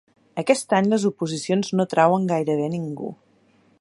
Aquest any les oposicions no atrauen gairebé a ningú